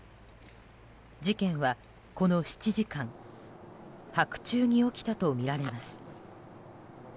事件は、この７時間白昼に起きたとみられます。